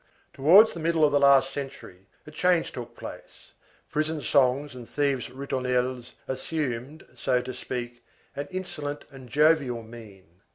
Towards the middle of the last century a change took place, prison songs and thieves' ritournelles assumed, so to speak, an insolent and jovial mien.